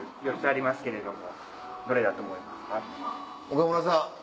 岡村さん！